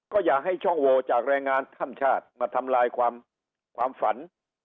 ก็อย่าให้ช่องโวจากแรงงานข้ามชาติมาทำลายความฝัน